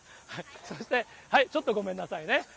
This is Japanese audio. そして、ちょっとごめんなさいね。